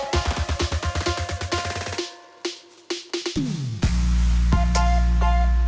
saya ke pasar dulu